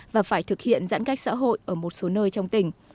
và phải thực hiện giãn cách xã hội ở một số nơi trong tỉnh